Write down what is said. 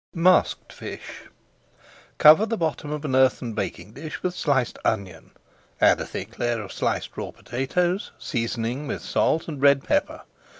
MASKED FISH Cover the bottom of an earthen baking dish with sliced onion, add a thick layer of sliced raw potatoes, seasoning with salt and red pepper.